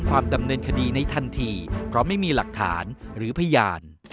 ดำเนินคดีในทันทีเพราะไม่มีหลักฐานหรือพยาน